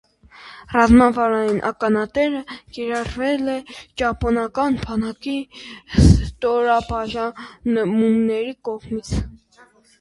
Ռազմավարային ականանետերը կիրառվել են ճապոնական բանակի ստորաբաժանումների կողմից։